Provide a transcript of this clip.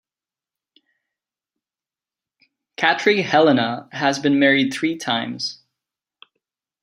Katri Helena has been married three times.